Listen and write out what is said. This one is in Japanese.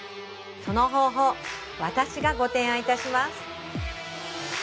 その方法私がご提案いたします